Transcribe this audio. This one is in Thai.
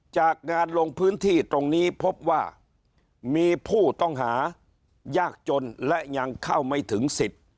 จากงานลงพื้นที่ตรงนี้พบว่ามีผู้ต้องหายากจนและยังเข้าไม่ถึงสิทธิ์